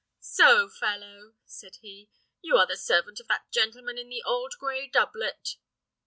"So, fellow," said he, "you are the servant of that gentleman in the old gray doublet?"